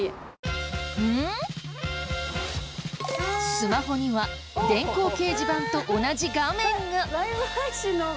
スマホには電光掲示板と同じ画面が！